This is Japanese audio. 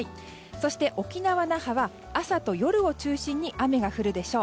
そして、沖縄・那覇は朝と夜を中心に雨が降るでしょう。